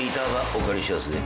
お借りしやすぜ。